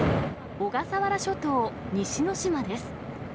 小笠原諸島・西之島です。